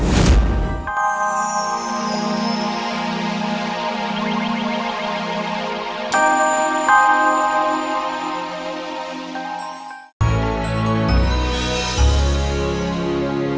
sampai jumpa lagi